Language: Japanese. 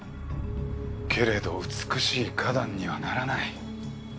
けれど美しい花壇にはならない。